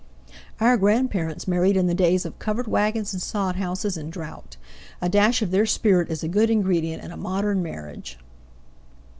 Our grandparents married in the days of covered wagons and sodhouses and drought; a dash of their spirit is a good ingredient in a modern marriage.